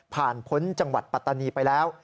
พ้นจังหวัดปัตตานีไปแล้ว